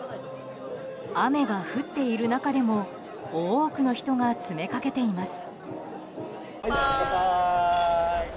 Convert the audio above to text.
雨が降っている中でも多くの人が詰めかけています。